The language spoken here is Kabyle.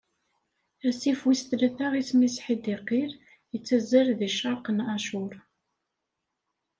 Asif wis tlata isem-is Ḥidiqil, ittazzal di ccerq n Acur.